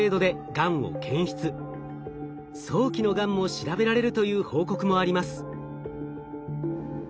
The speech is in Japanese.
早期のがんも調べられるという報告もあります。